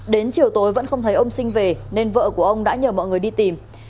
đến chiều tối vẫn không thấy ông sinh về nên vợ của ông đã nhờ mọi người đi tìm